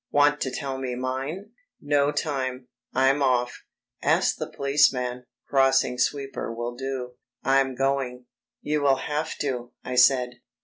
Want to tell me mine?... No time.... I'm off.... Ask the policeman ... crossing sweeper will do.... I'm going." "You will have to," I said.